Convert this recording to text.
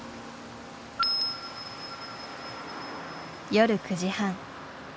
夜９時半。